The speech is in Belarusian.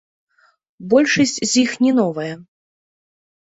Большасць з іх не новая.